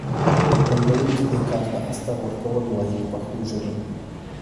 رنګوونکي دې کار ته استر ورکول وایي په پښتو ژبه.